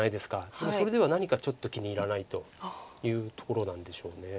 でもそれでは何かちょっと気に入らないというところなんでしょう。